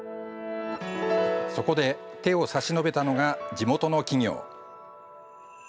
そこで手を差し伸べたのが地元の企業。